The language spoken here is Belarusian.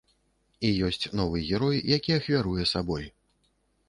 І ёсць новы герой, які ахвяруе сабой.